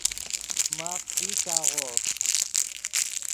ماف چی چاغوف